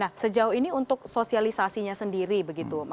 nah sejauh ini untuk sosialisasinya sendiri begitu mas ewa